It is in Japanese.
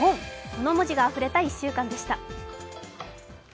この文字があふれた１週間でした。